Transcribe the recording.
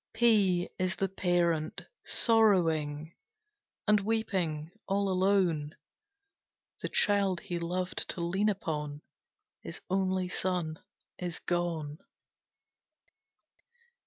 P P is the Parent, sorrowing, And weeping all alone The child he loved to lean upon, His only son, is gone!